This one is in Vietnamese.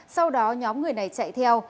sau đó nhóm người này chạy theo